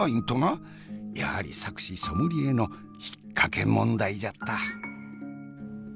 やはり策士ソムリエの引っ掛け問題じゃった。